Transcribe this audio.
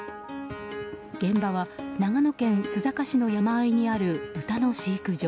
現場は長野県須坂市の山あいにある豚の飼育場。